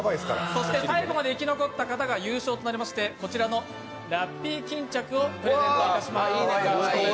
そして最後まで生き残った方が優勝となりまして、こちらのラッピー巾着をプレゼントいたします。